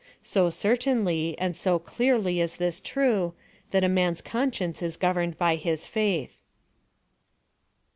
So cer tainly and so clearly is it true, that a man's con science is governed by his faith.